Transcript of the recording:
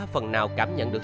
phần nào cảm nhận được